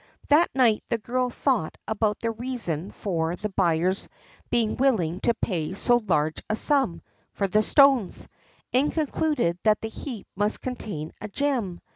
That night the girl thought about the reason for the buyer's being willing to pay so large a sum for the stones, and concluded that the heap must contain a gem.